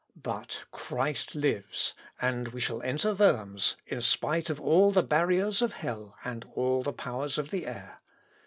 But Christ lives, and we shall enter Worms in spite of all the barriers of hell and all the powers of the air.